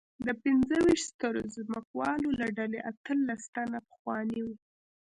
د پنځه ویشت سترو ځمکوالو له ډلې اتلس تنه پخواني وو.